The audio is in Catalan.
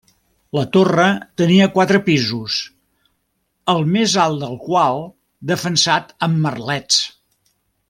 La torre tenia quatre pisos, el més alt del qual defensat amb merlets.